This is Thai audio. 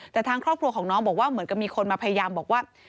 แต่ทางครอบครัวของน้องบอกว่าเหมือนกับมีคนมาพยายามบอกว่า